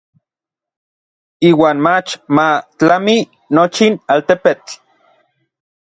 Iuan mach ma tlami nochin altepetl.